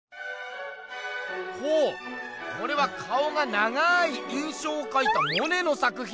ほうこれは顔が長い「印象」をかいたモネの作品。